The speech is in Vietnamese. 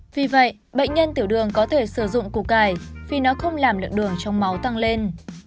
vì vậy bệnh nhân tiểu đường có thể sử dụng củ cải vì nó không làm lượng đường trong máu tăng lên